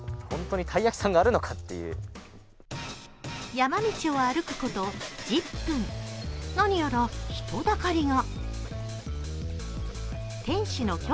山道を歩くこと１０分、何やら人だかりが。